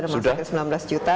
sudah masuk ke sembilan belas juta